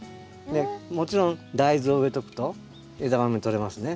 もちろん大豆を植えとくと枝豆とれますね。